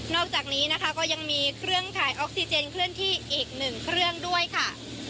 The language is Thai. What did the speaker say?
อกจากนี้นะคะก็ยังมีเครื่องถ่ายออกซิเจนเคลื่อนที่อีกหนึ่งเครื่องด้วยค่ะ